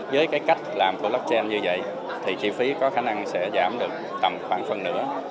với cái cách làm của blockchain như vậy thì chi phí có khả năng sẽ giảm được tầm khoảng phần nữa